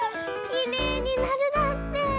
「きれいになる」だって！